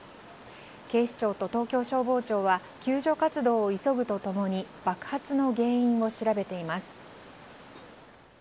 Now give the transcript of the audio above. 警視庁と東京消防庁は救助活動を急ぐとともに爆発の原因を調べています。